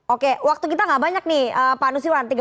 oke waktu kita gak banyak nih pak nusirwan